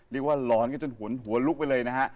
เรียกว่าร้อนกันจนหัวลุกไปเลยนะฮะ